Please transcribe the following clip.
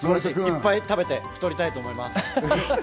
いっぱい食べて太りたいと思います。